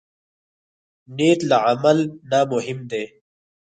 نیت له عمل نه مهم دی.